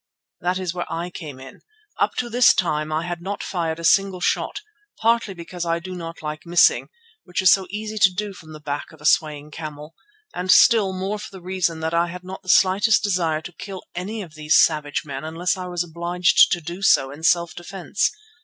That is where I came in. Up to this time I had not fired a single shot, partly because I do not like missing, which it is so easy to do from the back of a swaying camel, and still more for the reason that I had not the slightest desire to kill any of these savage men unless I was obliged to do so in self defence.